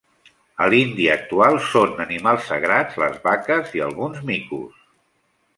A l'Índia actual són animals sagrats les vaques i alguns micos.